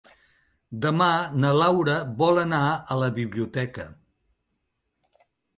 Demà na Laura vol anar a la biblioteca.